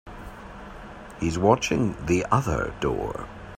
He's watching the other door.